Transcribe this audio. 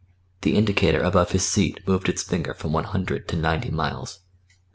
The indicator above his seat moved its finger from one hundred to ninety miles.